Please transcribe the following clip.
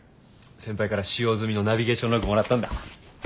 先輩から使用済みのナビゲーションログもらったんだ。